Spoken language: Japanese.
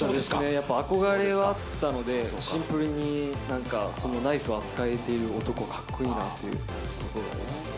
やっぱ憧れはあったので、シンプルになんか、ナイフを扱えている男かっこいいなっていう、憧れが。